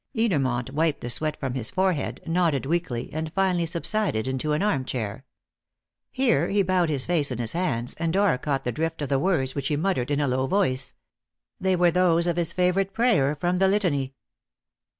Edermont wiped the sweat from his forehead, nodded weakly, and finally subsided into an armchair. Here he bowed his face in his hands, and Dora caught the drift of the words which he muttered in a low voice. They were those of his favourite prayer from the Litany.